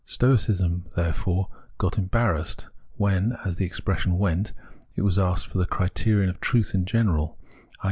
Stoicism, therefore, got embarrassed, when, as the expression went, it was asked for the criterion of truth in general, i.